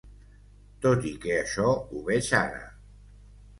Tot i que això ho veig ara.